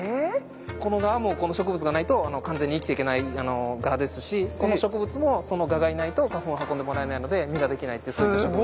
この蛾もこの植物がないと完全に生きていけない蛾ですしこの植物もその蛾がいないと花粉を運んでもらえないので実ができないってそういった植物です。